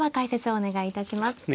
お願いいたします。